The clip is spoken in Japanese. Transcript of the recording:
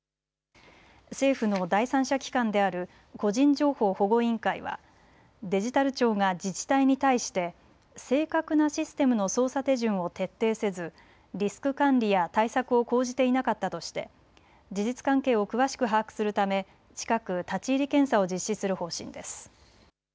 政府の第三者機関である個人情報保護委員会はデジタル庁が自治体に対して正確なシステムの操作手順を徹底せずリスク管理や対策を講じていなかったとして事実関係を詳しく把握するため近く立ち入り検査を実施する方針です。